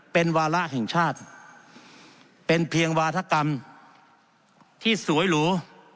เป็นวาระแห่งชาติเป็นเพียงวาธกรรมที่สวยหรู